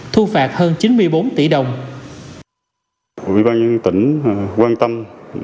thu phạt hơn chín mươi bốn tỷ đồng